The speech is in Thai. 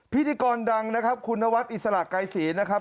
พิธีกรดังนะครับคุณนวัดอิสระไกรศรีนะครับ